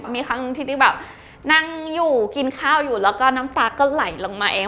มีครั้งหนึ่งที่ได้แบบนั่งอยู่กินข้าวอยู่แล้วก็น้ำตาก็ไหลลงมาเอง